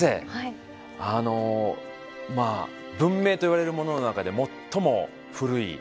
あのまあ文明といわれるものの中で最も古い。